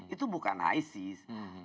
itu bukan isis